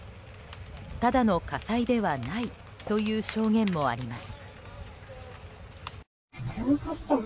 ただの火災ではないという証言もあります。